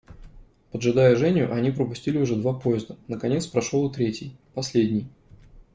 Поджидая Женю, они пропустили уже два поезда, наконец прошел и третий, последний.